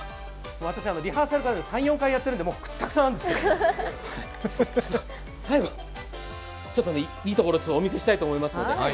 私、リハーサルから３４回やってるんで、くったくたなんですけど最後、いいところをお見せしたいと思いますので。